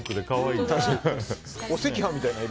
お赤飯みたいな色。